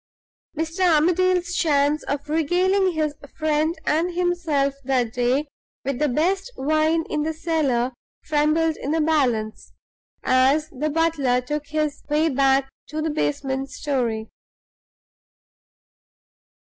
Mr. Armadale's chance of regaling his friend and himself that day with the best wine in the cellar trembled in the balance, as the butler took his way back to the basement story.